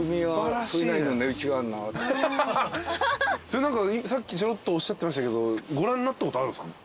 それさっきちょろっとおっしゃってましたけどご覧になったことあるんですか？